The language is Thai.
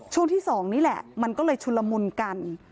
ช่วงที่๒นี่แหละมันก็เลยชุนละมุนกัน